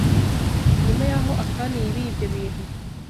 Nyuma y’aho Akani yibiye ibyo bintu